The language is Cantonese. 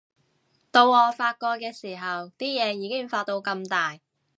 到我發覺嘅時候，啲嘢已經發到咁大